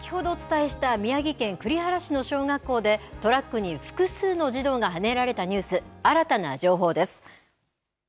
先ほどお伝えした宮城県栗原市の小学校でトラックに複数の児童がはねられたニュース。